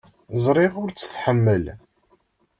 Ẓriɣ ur tt-tḥemmel.